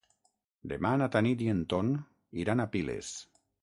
Demà na Tanit i en Ton iran a Piles.